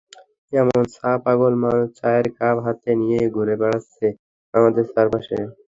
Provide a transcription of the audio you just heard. এমন চা-পাগল মানুষ চায়ের কাপ হাতে নিয়েই ঘুরে বেড়াচ্ছেন আমাদের চারপাশে।